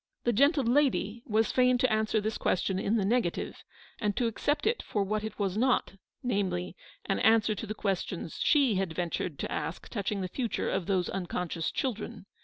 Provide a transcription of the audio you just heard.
The gentle lady was fain to answer this question in the negative, and to accept it for what it was not ; namely, an answer to the questions she had ventured to ask touching the future of those un conscious children.